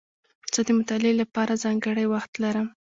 زه د مطالعې له پاره ځانګړی وخت لرم.